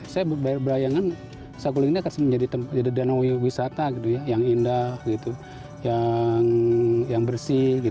saya berhayangan saguling ini akan menjadi danau wisata yang indah yang bersih